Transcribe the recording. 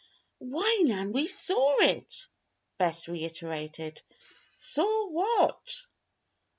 "Why, Nan, we saw it!" Bess reiterated. "Saw what?"